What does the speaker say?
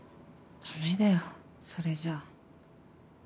だめだよそれじゃ。